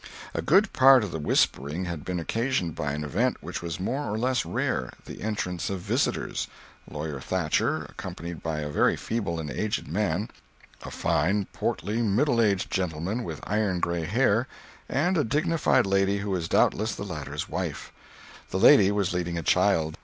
A good part of the whispering had been occasioned by an event which was more or less rare—the entrance of visitors: lawyer Thatcher, accompanied by a very feeble and aged man; a fine, portly, middle aged gentleman with iron gray hair; and a dignified lady who was doubtless the latter's wife. The lady was leading a child.